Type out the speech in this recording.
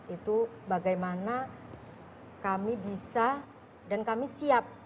itu bagaimana kami bisa dan kami siap